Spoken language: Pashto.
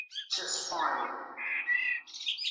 ولې خلګ د رواجونو لپاره قرضونه کوي؟